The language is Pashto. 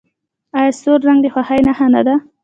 آیا سور رنګ د خوښۍ نښه نه ده؟